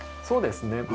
そうですね。